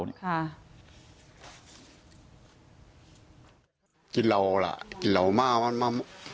อันนี้เป็นคำกล่าวอ้างของทางฝั่งของพ่อตาที่เป็นผู้ต้องหานะ